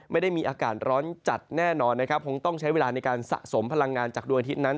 ไม่ได้มีอากาศร้อนจัดแน่นอนนะครับคงต้องใช้เวลาในการสะสมพลังงานจากดวงอาทิตย์นั้น